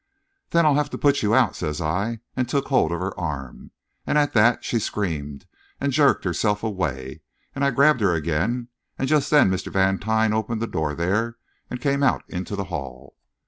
"'Then I'll have to put you out,' says I, and took hold of her arm. And at that she screamed and jerked herself away; and I grabbed her again, and just then Mr. Vantine opened the door there and came out into the hall.